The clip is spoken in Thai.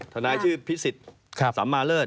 นายชื่อพิสิทธิ์สัมมาเลิศ